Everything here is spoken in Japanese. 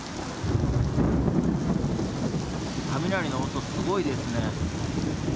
雷の音、すごいですね。